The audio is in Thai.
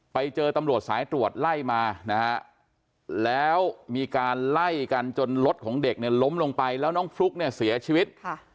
ไปเจอตำรวจสายตรวจไล่มานะฮะแล้วมีการไล่กันจนรถของเด็กเนี่ยล้มลงไปแล้วน้องฟลุ๊กเนี่ยเสียชีวิต